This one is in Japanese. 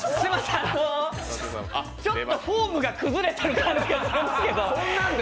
ちょっとフォームが崩れたんですけど。